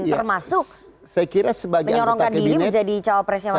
termasuk menyorongkan diri menjadi cowok presiden